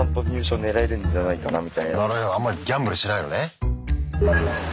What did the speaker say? なるあんまりギャンブルしないのね。